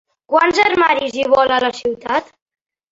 Quants armaris hi vol, a la ciutat?